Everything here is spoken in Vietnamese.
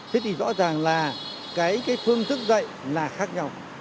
thế thì rõ ràng là cái phương thức dạy là khác nhau